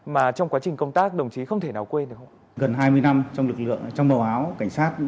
mà trong quá trình công tác đồng chí không thể nào quên được